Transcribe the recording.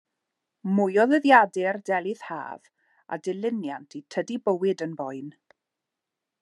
Mwy o ddyddiadur Delyth Haf, a dilyniant i Tydi bywyd yn boen!